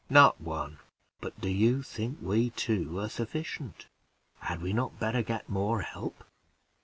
"Not one." "But do you think we two are sufficient? Had we not better get more help?